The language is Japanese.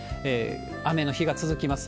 雨の日が続きます。